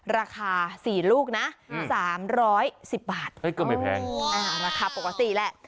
ราคาสี่ลูกนะสามร้อยสิบบาทเกือบไม่แพงอ่าราคาปกติแหละ